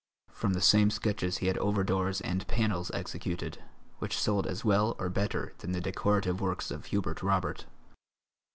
From the same sketches he had over doors and panels executed, which sold as well or better than the decorative works of Hubert Robert.